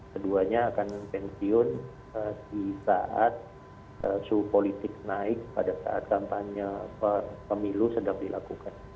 keduanya akan pensiun di saat suhu politik naik pada saat kampanye pemilu sedang dilakukan